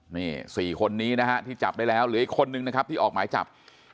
นี่๔คนนี้นะฮะที่จับได้แล้วเหลืออีกคนนึงนะครับที่ออกหมายจับ